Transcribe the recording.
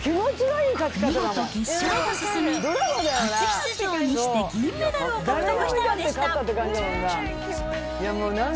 見事決勝へと進み、初出場にして銀メダルを獲得したのでした。